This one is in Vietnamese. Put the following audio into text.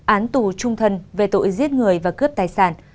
án tù trung thân về tội giết người và cướp tài sản